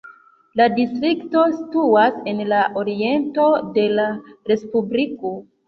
La distrikto situas en la oriento de la respubliko.